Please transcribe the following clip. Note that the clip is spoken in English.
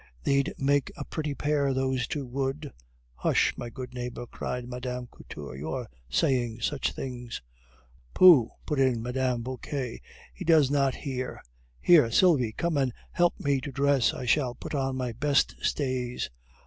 They'd make a pretty pair those two would!" "Hush, my good neighbor," cried Mme. Couture, "you are saying such things " "Pooh!" put in Mme. Vauquer, "he does not hear. Here, Sylvie! come and help me to dress. I shall put on my best stays."